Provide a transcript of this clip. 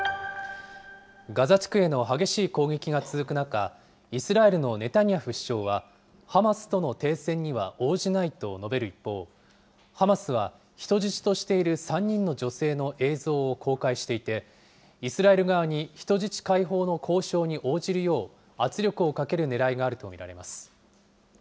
ガザ地区への激しい攻撃が続く中、イスラエルのネタニヤフ首相は、ハマスとの停戦には応じないと述べる一方、ハマスは人質としている３人の女性の映像を公開していて、イスラエル側に人質解放の交渉に応じるよう圧力をかけるねらいがあると見られます。